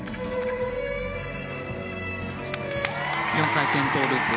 ４回転トウループ。